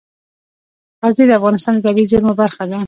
غزني د افغانستان د طبیعي زیرمو برخه ده.